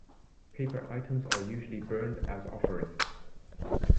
Paper items are usually burned as offerings.